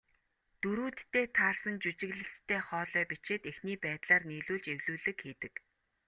Дүрүүддээ таарсан жүжиглэлттэй хоолой бичээд, эхний байдлаар нийлүүлж эвлүүлэг хийдэг.